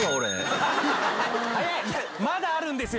まだあるんですよ。